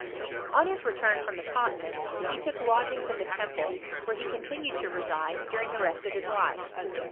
On his return from the continent, he took lodg ings in the Temple, where he continued to reside during the rest of his life.